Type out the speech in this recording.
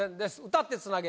歌ってつなげ！